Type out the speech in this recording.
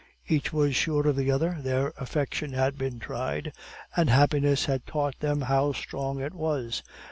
Each was sure of the other; their affection had been tried, and happiness had taught them how strong it was.